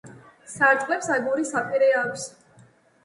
სარტყლებს აგურის საპირე აქვს.